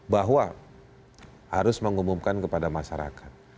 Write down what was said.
bahwa harus mengumumkan kepada masyarakat